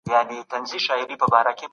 ټولنپوهنه د فرد شناخت پراخوي.